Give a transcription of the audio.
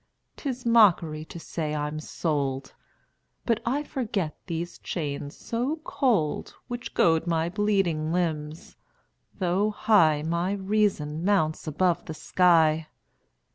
'Tis mockery to say I'm sold! But I forget these chains so cold, Which goad my bleeding limbs; though high My reason mounts above the sky.